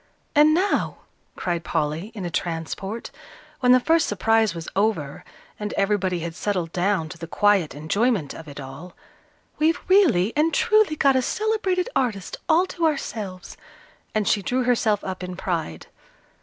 "And now," cried Polly, in a transport, when the first surprise was over, and everybody had settled down to the quiet enjoyment of it all, "we've really and truly got a celebrated artist all to ourselves," and she drew herself up in pride.